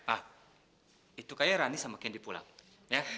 ah itu kayaknya rani sama kendi pulang ya